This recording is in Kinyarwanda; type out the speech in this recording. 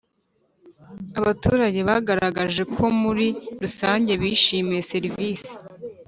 Abaturage bagaragaje ko muri rusange bishimiye serivisi